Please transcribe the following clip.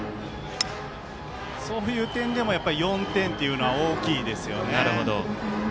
そういう点でも４点というのは大きいですね。